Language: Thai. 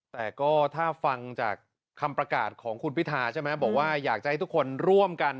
แต่ก็ถ้าฟังจากคำประกาศของคุณพิธาใช่ไหมบอกว่าอยากจะให้ทุกคนร่วมกัน